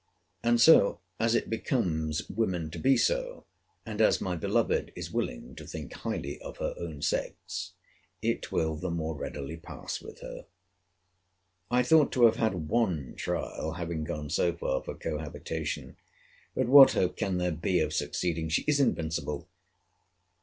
And as it becomes women to be so, and as my beloved is willing to think highly of her own sex; it will the more readily pass with her. I thought to have had one trial (having gone so far) for cohabitation. But what hope can there be of succeeding?—She is invincible!